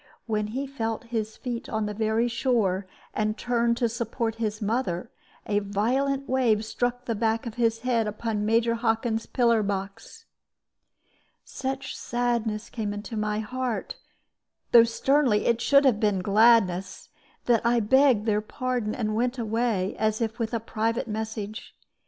When he felt his feet on the very shore, and turned to support his mother, a violent wave struck the back of his head upon Major Hockin's pillar box. Such sadness came into my heart though sternly it should have been gladness that I begged their pardon, and went away, as if with a private message.